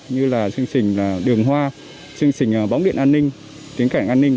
như là chương trình đường hoa chương trình bóng điện an ninh tiếng cảnh an ninh